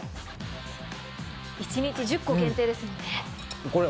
一日１０個限定ですもんね。